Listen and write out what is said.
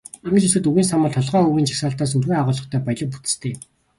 Ингэж үзэхэд, үгийн сан бол толгой үгийн жагсаалтаас өргөн агуулгатай, баялаг бүтэцтэй юм.